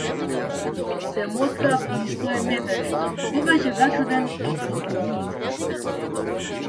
Се моткав низ тој метеж повеќе зачуден отколку лут.